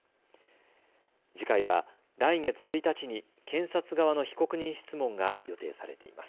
次回は来月１日に検察側の被告人質問が予定されています。